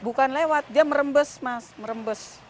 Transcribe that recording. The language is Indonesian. bukan lewat dia merembes mas merembes